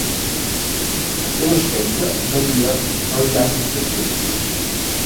El seu aspecte varia al llarg dels esquetxos.